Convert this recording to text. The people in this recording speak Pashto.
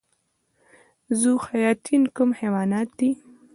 ذوحیاتین کوم حیوانات دي؟